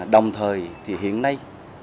đồng thời thì hiện nay